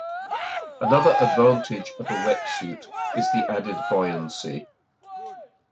Another advantage of a wetsuit is the added buoyancy.